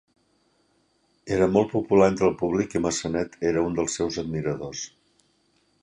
Era molt popular entre el públic i Massenet era un dels seus admiradors.